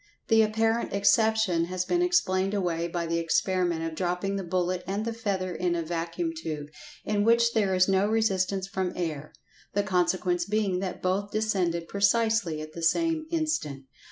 This apparent exception has been explained away by the experiment of dropping the bullet and the feather in a vacuum tube, in which there was no resistance from air, the con[Pg 141]sequence being that both descended precisely at the same instant.